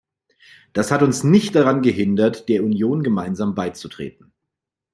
Das hat uns nicht daran gehindert, der Union gemeinsam beizutreten.